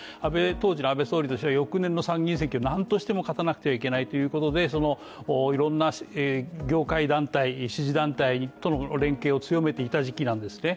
当時の安倍総理としては翌年の参議院選挙をなんとかして勝たなければいけないということでいろんな業界団体、支持団体との連携を強めていた時期なんですね。